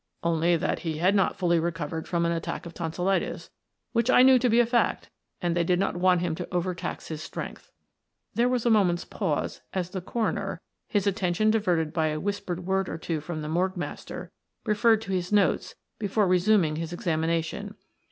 "Only that he had not fully recovered from an attack of tonsillitis, which I knew to be a fact, and they did not want him to over tax his strength." There was a moment's pause as the coroner, his attention diverted by a whispered word or two from the morgue master, referred to his notes before resuming his examination.